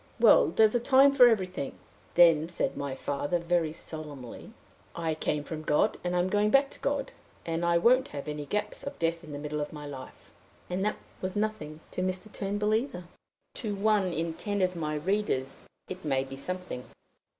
'Well! there's a time for everything.' Then said my father, very solemnly, 'I came from God, and I'm going back to God, and I won't have any gaps of death in the middle of my life.' And that was nothing to Mr. Turnbull either." To one in ten of my readers it may be something.